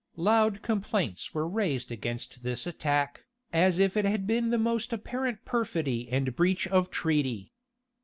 Loud complaints were raised against this attack, as if it had been the most apparent perfidy and breach of treaty.